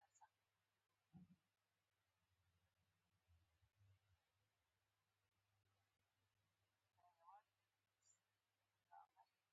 اورېدل باندي لوټونه غیرانونه